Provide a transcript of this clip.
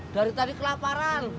dari tadi kelaparan